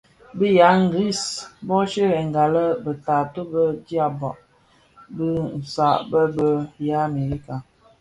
Bë ya ngris bö sherènga lè be taatôh bë dyaba bë saad bë bë ya Amerika.